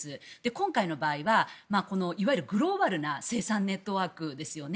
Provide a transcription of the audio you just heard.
今回の場合はいわゆるグローバルな生産ネットワークですよね。